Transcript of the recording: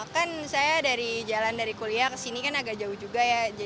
kan saya dari jalan dari kuliah ke sini kan agak jauh juga ya